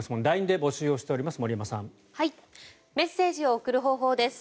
ＬＩＮＥで募集しています。